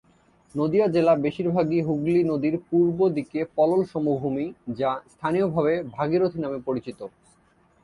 নদিয়া জেলা বেশিরভাগই হুগলী নদীর পূর্বদিকে পলল সমভূমি, যা স্থানীয়ভাবে ভাগীরথী নামে পরিচিত।